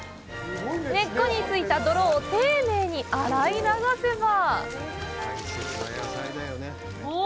根っこについた泥を丁寧に洗い流せばオォォ！